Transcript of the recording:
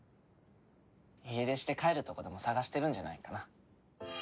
家出して帰るとこでも探してるんじゃないかな。